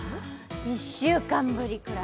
１週間ぶりくらい？